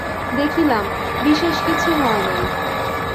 দেখিলাম, বিশেষ কিছু হয় নাই।